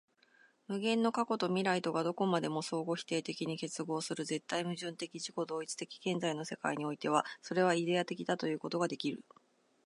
無限の過去と未来とがどこまでも相互否定的に結合する絶対矛盾的自己同一的現在の世界においては、それはイデヤ的ということができる。